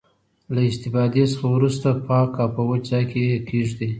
له استفادې څخه وروسته پاک او په وچ ځای کې یې کیږدئ.